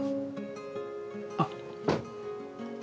あっ。